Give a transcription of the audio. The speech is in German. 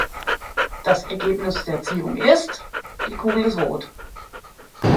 Das Ergebnis der Ziehung ist: Die Kugel ist rot.